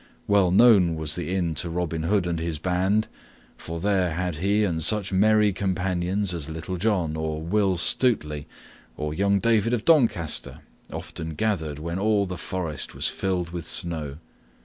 Well known was the inn to Robin Hood and his band, for there had he and such merry companions as Little John or Will Stutely or young David of Doncaster often gathered when all the forest was filled with snow.